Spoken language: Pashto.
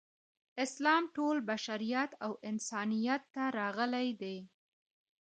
اسلام ټول بشریت او انسانیت ته راغلی دی.